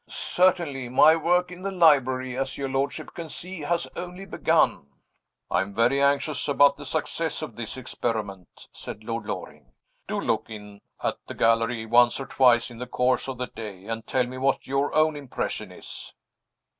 "Certainly. My work in the library, as your lordship can see, has only begun." "I am very anxious about the success of this experiment," said Lord Loring. "Do look in at the gallery once or twice in the course of the day, and tell me what your own impression is."